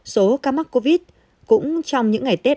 số ca mắc covid cũng trong những ngày tết